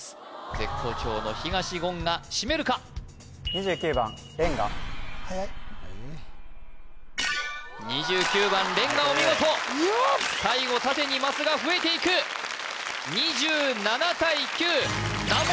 絶好調の東言がシメるかはやい２９番れんがお見事最後縦にマスが増えていく２７対９難問